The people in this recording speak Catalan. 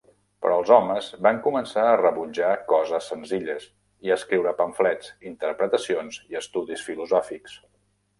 Però els homes van començar a rebutjar coses senzilles, i a escriure pamflets, interpretacions i estudis filosòfics.